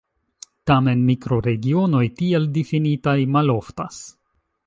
Tamen, mikroregionoj tiel difinitaj maloftas.